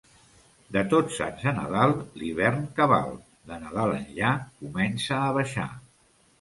De Tots Sants a Nadal, l'hivern cabal; de Nadal enllà, comença a baixar.